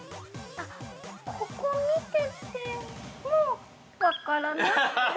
◆ここ見てても、分からない？